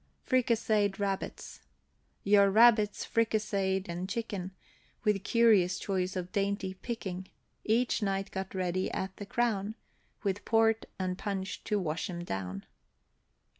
FRICASEED RABBITS. Your rabbits fricaseed and chicken, With curious choice of dainty picking, Each night got ready at the Crown, With port and punch to wash 'em down.